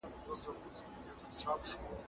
هیوادونه د ترهګرۍ په وړاندې ګډ مورچل نیسي.